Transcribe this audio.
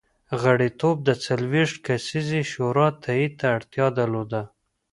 غړیتوب د څلوېښت کسیزې شورا تایید ته اړتیا درلوده.